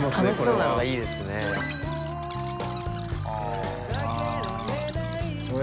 楽しそうなのがいいですね高橋）